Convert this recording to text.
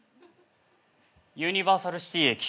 ユニバーサルシティ駅。